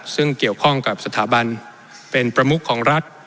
ซึ่งเกี่ยวข้องกับสถาบันเป็นประมุขของรัฐ